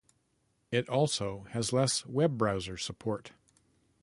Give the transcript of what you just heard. It also has less web browser support.